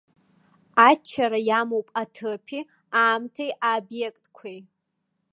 Аччара иамоуп аҭыԥи аамҭеи, аобиектқәеи.